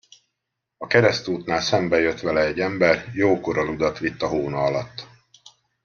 A keresztútnál szembejött vele egy ember, jókora ludat vitt a hóna alatt.